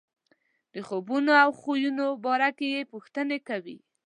د خوبونو او خویونو باره کې یې پوښتنې کوي.